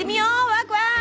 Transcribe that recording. ワクワク！